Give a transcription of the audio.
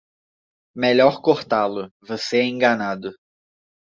Melhor cortá-lo, você é enganado!